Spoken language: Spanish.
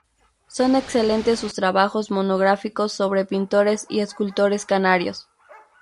Son excelentes sus trabajos monográficos sobre pintores y escultores canarios.